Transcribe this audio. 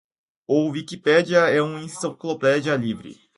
O Wikipédia é uma enciclopédia livre